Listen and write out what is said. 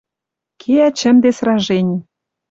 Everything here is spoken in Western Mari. Кеӓ чӹмде сражени.